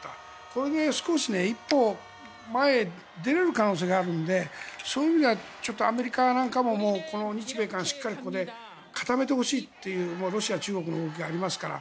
これで少し一歩前に出れる可能性があるのでそういう意味ではアメリカなんかもこの日米韓しっかり固めてほしいというロシア、中国の動きがありますから。